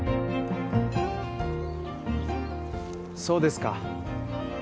そうですか。